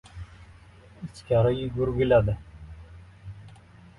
Ichkari yugurgiladi.